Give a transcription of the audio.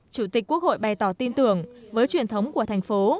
chủ tịch quốc hội bày tỏ tin tưởng với truyền thống của thành phố